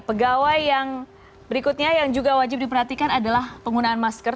pegawai yang berikutnya yang juga wajib diperhatikan adalah penggunaan masker